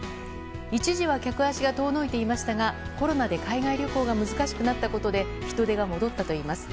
一時は客足が遠のいていましたがコロナで海外旅行が難しくなったことで人出が戻ったといいます。